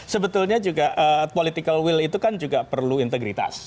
sebetulnya juga political will itu kan juga perlu integritas